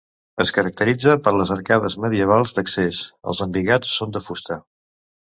Es caracteritza per les arcades medievals d'accés, els embigats són de fusta.